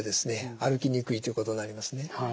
歩きにくいということになりますね。